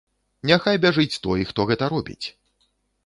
Няхай бяжыць той, хто гэта робіць.